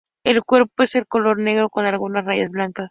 El cuerpo es de color negro con algunas rayas blancas.